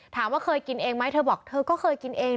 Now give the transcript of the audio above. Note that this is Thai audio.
ถามว่าเคยกินเองไหมเธอบอกเธอก็เคยกินเอง